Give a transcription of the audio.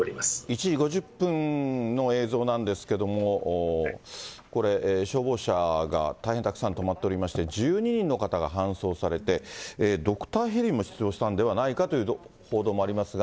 １時５０分の映像なんですけれども、これ、消防車が大変たくさん止まっておりまして、１２人の方が搬送されて、ドクターヘリも出動したんではないかという報道もありますが。